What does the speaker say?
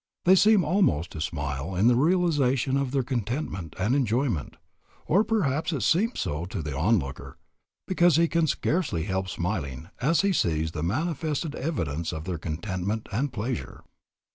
They seem almost to smile in the realization of their contentment and enjoyment; or perhaps it seems so to the looker on, because he can scarcely help smiling as he sees the manifested evidence of their contentment and pleasure.